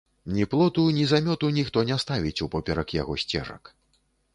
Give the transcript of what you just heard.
Ні плоту, ні замёту ніхто не ставіць упоперак яго сцежак.